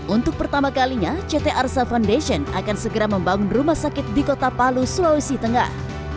untuk pertama kalinya ct arsa foundation akan segera membangun rumah sakit di kota palu sulawesi tengah